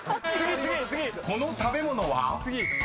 ［この食べ物は？］